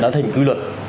đã thành quy luật